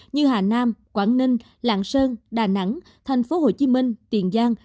như hà nam quảng ninh lạng sơn đà nẵng thành phố hồ chí minh tiền giang